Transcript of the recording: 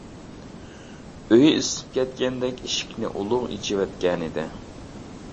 ئۆيى ئىسسىپ كەتكەندەك ئىشىكىنى ئۇلۇغ ئېچىۋەتكەنىدى.